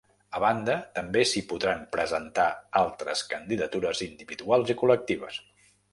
A banda, també s’hi podran presentar altres candidatures individuals i col·lectives.